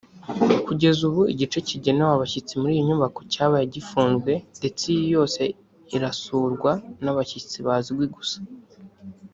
Kugeza ubu igice kigenewe abashyitsi muri iyi nyubako cyabaye gifunzwe ndetse iyi yose irasurwa n’abashyitsi bazwi gusa